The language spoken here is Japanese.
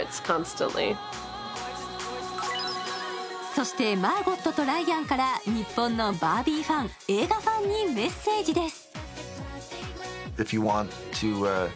そしてマーゴットとライアンから、日本のバービーファン映画ファンにメッセージです。